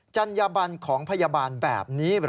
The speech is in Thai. จัญญบันของพยาบาลแบบนี้